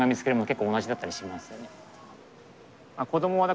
結構同じだったりしますね。